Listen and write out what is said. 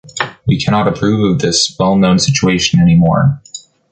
We cannot approve of this well-known situation anymore.